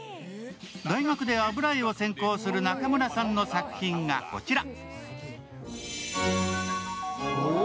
大学で油絵を専攻する中村さんの作品がこちら。